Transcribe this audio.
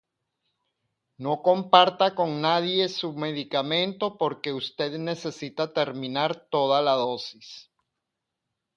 No comparta con nadie su medicamento porque usted necesita terminar toda la dosis.•